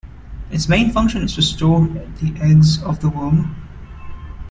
Its main function is to store the eggs of the worm.